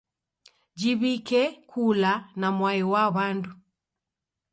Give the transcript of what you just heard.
Jiwike kula na mwai wa w'andu.